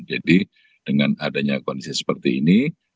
jadi dengan adanya kondisi seperti ini